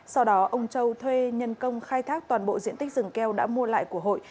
sau đó ông châu thuê nhân công khai thác toàn bộ diện tích rừng keo đã mua lại của hội